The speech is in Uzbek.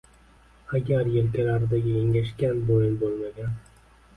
Agar yelkalaridagi engashgan bo‘yin bo‘lmagan